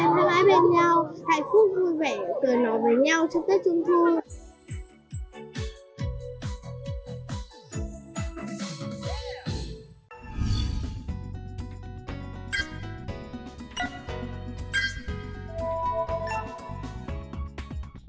con mong là con sẽ luôn mãi bên nhau hạnh phúc vui vẻ cười nói với nhau trong tết trung thu